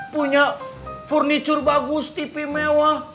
punya furniture bagus tv mewah